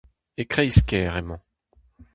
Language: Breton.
E kreiz-kêr emañ.